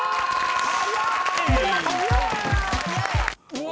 うわ！